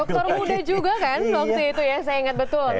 aktor muda juga kan waktu itu ya saya ingat betul